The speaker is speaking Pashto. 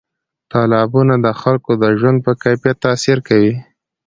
تالابونه د خلکو د ژوند په کیفیت تاثیر کوي.